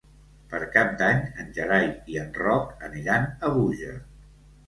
Per Cap d'Any en Gerai i en Roc aniran a Búger.